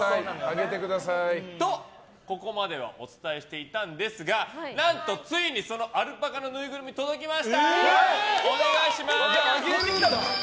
あげてください！と、ここまではお伝えしていたんですが何と、ついにそのアルパカのぬいぐるみ届きました！